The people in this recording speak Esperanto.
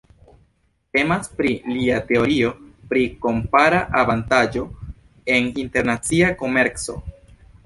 Temas pri lia teorio pri kompara avantaĝo en internacia komerco.